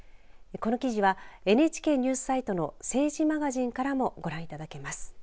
この記事はＮＨＫＮＥＷＳサイトの政治マガジンからもご覧いただけます。